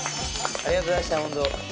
ありがとうございましたホント。